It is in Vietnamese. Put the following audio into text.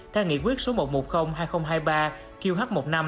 theo nghị quyết số một trăm một mươi hai nghìn hai mươi ba qh một mươi năm